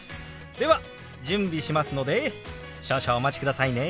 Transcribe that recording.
では準備しますので少々お待ちくださいね。